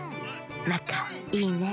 なかいいね。